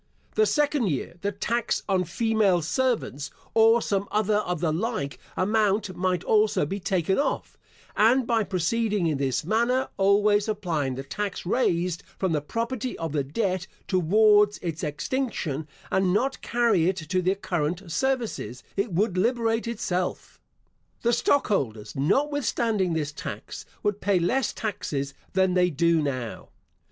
The second year the tax on female servants, or some other of the like amount might also be taken off, and by proceeding in this manner, always applying the tax raised from the property of the debt toward its extinction, and not carry it to the current services, it would liberate itself. The stockholders, notwithstanding this tax, would pay less taxes than they do now.